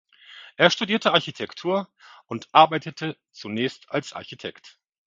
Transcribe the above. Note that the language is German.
Er studierte Architektur und arbeitete zunächst als Architekt.